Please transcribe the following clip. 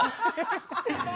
ハハハハ！